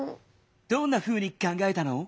どんなふうにかんがえたの？